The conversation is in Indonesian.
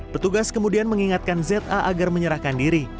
petugas kemudian mengingatkan za agar menyerahkan diri